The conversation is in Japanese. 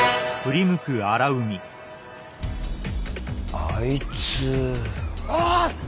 あいつ。